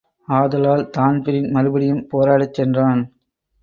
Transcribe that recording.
ஆதலால் தான்பிரீன் மறுபடியும் போராடச் சென்றான்.